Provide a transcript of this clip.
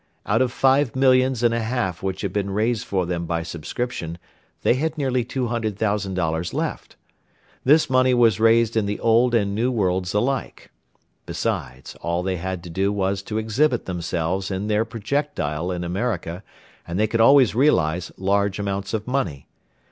Out of five millions and a half which had been raised for them by subscription they had nearly $200,000 left. This money was raised in the Old and New Worlds alike. Besides, all they had to do was to exhibit themselves in their projectile in America and they could always realize large amounts of money.